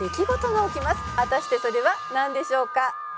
「果たしてそれはなんでしょうか？」